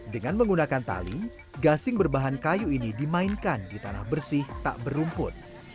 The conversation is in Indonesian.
dengan menggunakan tali gasing berbahan kayu ini dimainkan di tanah bersih tak berumput